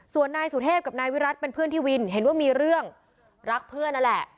ส่วนนายสุเทพกับนายวิรัติเป็นเพื่อนที่วินเห็นว่ามีเรื่องรักเพื่อนนั่นแหละ